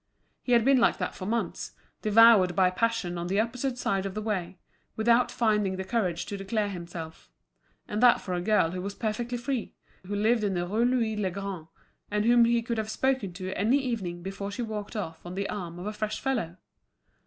He had been like that for months, devoured by passion on the opposite side of the way, without finding the courage to declare himself; and that for a girl who was perfectly free, who lived in the Rue Louis le Grand, and whom he could have spoken to any evening before she walked off on the arm of a fresh fellow!